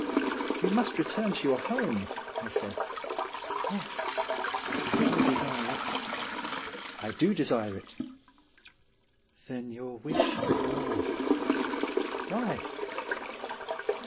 ' You must return to your home,' I said. ' Yes, if you desire it.' ' I do desire it.' ' Then your wish is law.' ' Why